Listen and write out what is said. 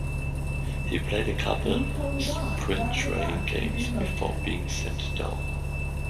He played a couple spring training games before being sent down.